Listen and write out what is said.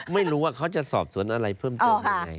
ไม่รู้ว่าเขาจะสอบสวนอะไรเพิ่มเติมยังไง